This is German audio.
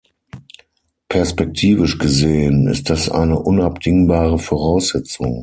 Perspektivisch gesehen, ist das eine unabdingbare Voraussetzung.